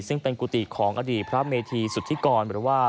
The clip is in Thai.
ซึ่งเป็นกุฏิของอดีตพระพรหมเธีสุธิกร